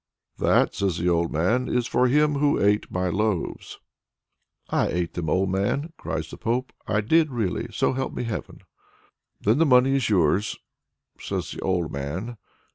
"That," says the old man, "is for him who ate my loaves." "I ate them, old man," cries the Pope; "I did really, so help me Heaven!" "Then the money is yours," says the old man.